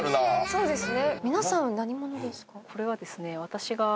そうですね。